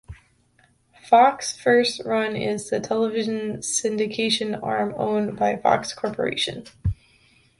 Fox First Run is the television syndication arm owned by Fox Corporation.